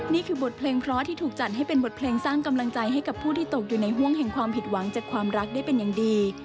นี่คือบทเพลงเพราะที่ถูกจัดให้เป็นบทเพลงสร้างกำลังใจให้กับผู้ที่ตกอยู่ในห่วงแห่งความผิดหวังจากความรักได้เป็นอย่างดี